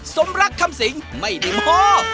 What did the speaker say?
สมรักคำสิงไม่ได้มอบ